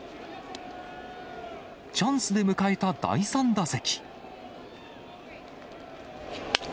チャンスで迎えた第３打席。